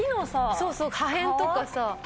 そうそう破片とかさ。